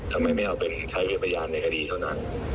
ทำไมไม่เอาเป็นใช้เวียบรรยานในคดีเท่านั้น